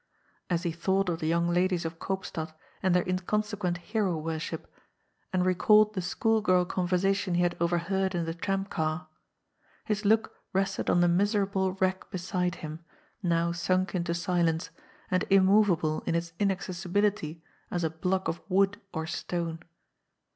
— as he thought of the young ladies of Eoopstad and their inconsequent hero worship, and recalled the school girl conversation he had overheard in the tram car. His look rested on the miserable wreck beside him, now sunk into silence, and immovable in its inaccessibility as a block of wood or stone.